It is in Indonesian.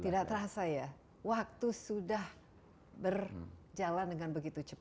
tidak terasa ya waktu sudah berjalan dengan begitu cepat